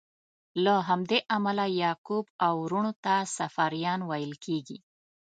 له همدې امله یعقوب او وروڼو ته صفاریان ویل کیږي.